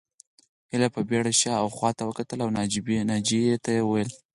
هيلې په بېړه شا او خواته وکتل او ناجيې ته وویل